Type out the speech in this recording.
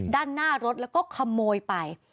ด้านหน้ารถแล้วก็ขโมยไป